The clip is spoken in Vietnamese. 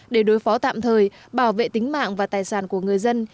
để đối phó tạm thời bảo vệ tính mạng và tài sản của người dân